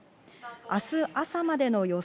明日朝までの予想